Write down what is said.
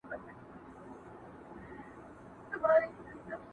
پوښتني لا هم ژوندۍ پاتې کيږي تل.